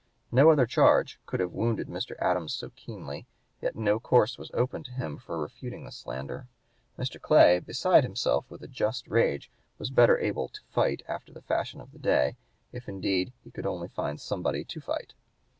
No other charge could have wounded Mr. Adams so keenly; yet no course was open to him for refuting the slander. Mr. Clay, beside himself with a just rage, was better able to fight after the fashion of the day if indeed he could only find somebody to fight.